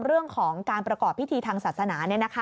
เรื่องของการประกอบพิธีทางศาสนา